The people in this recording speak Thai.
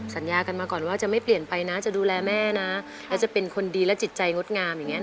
สัญญากันมาก่อนว่าจะไม่เปลี่ยนไปนะจะดูแลแม่นะแล้วจะเป็นคนดีและจิตใจงดงามอย่างเงี้